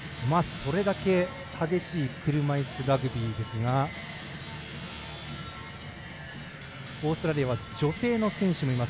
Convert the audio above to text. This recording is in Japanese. それだけ激しい車いすラグビーですがオーストラリアは女性の選手もいます。